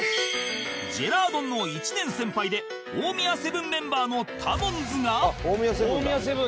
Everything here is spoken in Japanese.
ジェラードンの１年先輩で大宮セブンメンバーのタモンズがあっ大宮セブンだ。